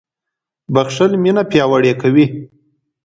• بښل مینه پیاوړې کوي.